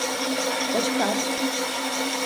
Кочкат!